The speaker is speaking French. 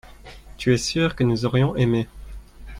tu es sûr que nous aurions aimé.